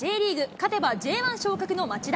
勝てばＪ１昇格の町田。